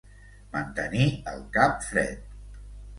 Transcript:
Mantenir el cap fred.